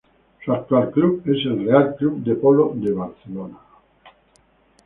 Su actual club es el Real Club de Polo de Barcelona.